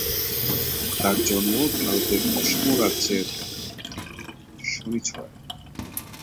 তার জন্ম ভারতের অসম রাজ্যের শনিছড়ায়।